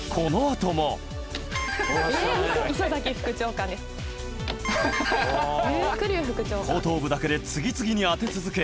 後頭部だけで次々に当て続け